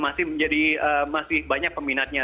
masih banyak peminatnya